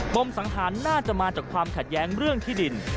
มสังหารน่าจะมาจากความขัดแย้งเรื่องที่ดิน